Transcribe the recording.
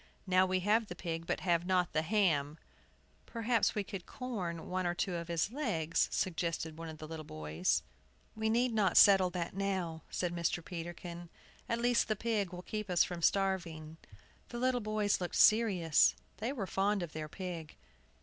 Now we have the pig, but have not the ham!" "Perhaps we could 'corn' one or two of his legs," suggested one of the little boys. "We need not settle that now," said Mr. Peterkin. "At least the pig will keep us from starving." The little boys looked serious; they were fond of their pig.